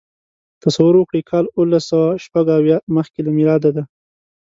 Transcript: تصور وکړئ کال اوولسسوهشپږاویا مخکې له میلاده دی.